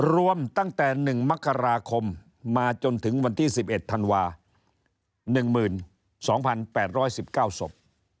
รวมตั้งแต่๑มกราคมมาจนถึงวันที่๑๑ธันวา๑๒๘๑๙ศพ